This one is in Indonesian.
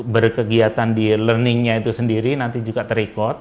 berkegiatan di learningnya itu sendiri nanti juga ter record